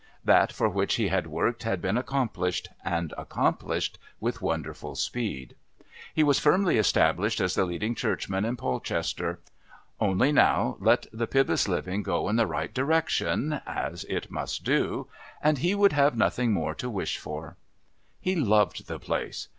That for which he had worked had been accomplished, and accomplished with wonderful speed. He was firmly established as the leading Churchman in Polchester; only now let the Pybus living go in the right direction (as it must do), and he would have nothing more to wish for. He loved the place.